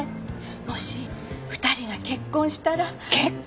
もし２人が結婚したら。結婚！？